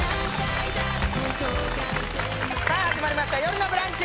さあ始まりました「よるのブランチ」